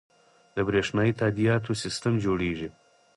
د بریښنایی تادیاتو سیستم جوړیږي